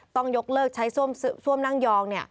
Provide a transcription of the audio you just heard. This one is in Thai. ต้องยกเลิกใช้ซ่วมนั่งยอง